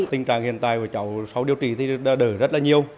tình trạng hiện tại của cháu sau điều trị thì đã đỡ rất là nhiều